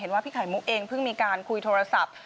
ว่าพี่ไข่มุกเองเพิ่งมีการคุยโทรศัพท์